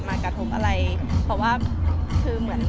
แม็กซ์ก็คือหนักที่สุดในชีวิตเลยจริง